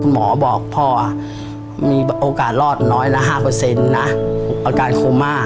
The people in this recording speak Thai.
หมอบอกพ่อมีโอกาสรอดน้อยละ๕นะอาการโคม่า